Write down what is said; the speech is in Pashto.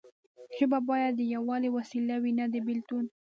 ژبه باید د یووالي وسیله وي نه د بیلتون.